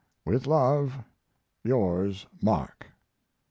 With love, Yours, MARK.